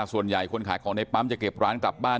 ส่วนใหญ่คนขายของในปั๊มจะเก็บร้านกลับบ้าน